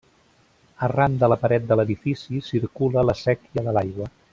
Arran de la paret de l'edifici circula la séquia de l'aigua.